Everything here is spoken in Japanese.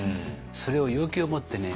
それを勇気を持ってね